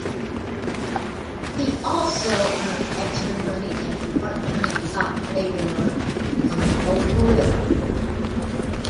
He also earned extra money as a part-time dock laborer on the Volga River.